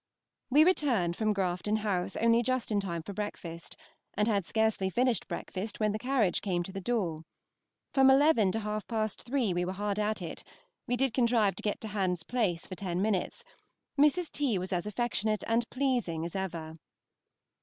We returned from Grafton House only just in time for breakfast, and had scarcely finished breakfast when the carriage came to the door. From eleven to half past three we were hard at it; we did contrive to get to Hans Place for ten minutes. Mrs. T. was as affectionate and pleasing as ever.